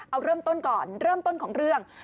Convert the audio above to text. เอาเริ่มต้นก่อนเริ่มต้นของเรื่อง